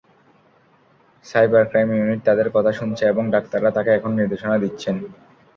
Cyber crime unit তাদের কথা শুনছে, এবং ডাক্তাররা তাকে এখন নির্দেশনা দিচ্ছেন।